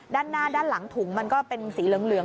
ด้านหน้าด้านหลังถุงมันก็เป็นสีเหลือง